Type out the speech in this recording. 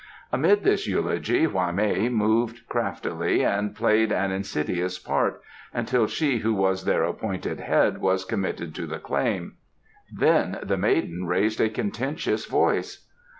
Amid this eulogy Hwa mei moved craftily and played an insidious part, until she who was their appointed head was committed to the claim. Then the maiden raised a contentious voice.